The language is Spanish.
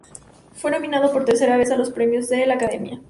Fue nominado por tercera vez a los Premios de la Academia.